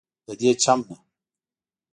ددې چم نه